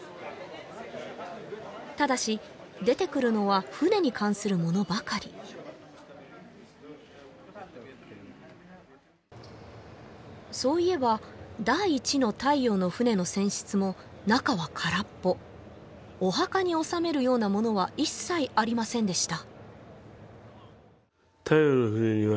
ただし出てくるのは船に関する物ばかりそういえば第一の太陽の船の船室も中は空っぽお墓に納めるような物は一切ありませんでした